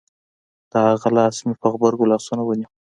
د هغه لاس مې په غبرگو لاسو ونيو.